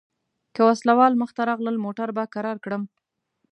که وسله وال مخته راغلل موټر به کرار کړم.